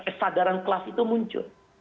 kesadaran kelas itu muncul